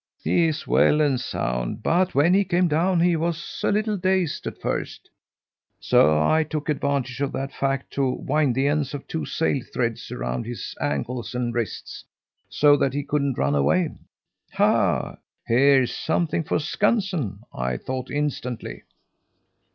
He is well and sound; but when he came down, he was a little dazed at first, so I took advantage of that fact to wind the ends of two sail threads around his ankles and wrists, so that he couldn't run away. 'Ha! Here's something for Skansen,' I thought instantly."